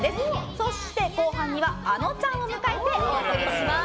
そして、後半にはあのちゃんを迎えてお送りします。